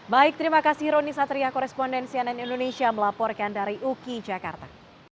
baik terima kasih roni satria koresponden cnn indonesia melaporkan dari uki jakarta